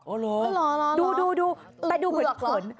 โอ้โหหรอหรออึงเผือกเหรอ